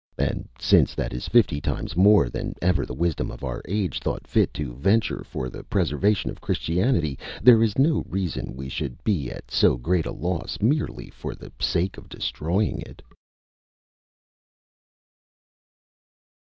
And since that is fifty times more than ever the wisdom of our age thought fit to venture for the preservation of Christianity, there is no reason we should be at so great a loss merely for the sake of destroying it.